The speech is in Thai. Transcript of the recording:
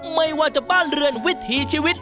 ไม่ว่าจะบ้านเรือนวิถีชีวิต